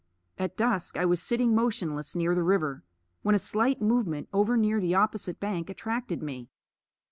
At dusk I was sitting motionless near the river when a slight movement over near the opposite bank attracted me.